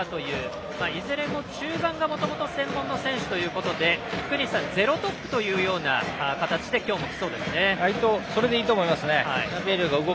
いずれも中盤がもともと本職の選手ということで福西さん、ゼロトップの形で今日もきそうですね。